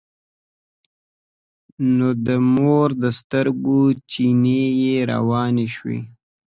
نو د مور د سترګو چينې يې روانې شوې.